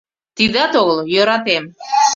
Тидат огыл, йӧратем.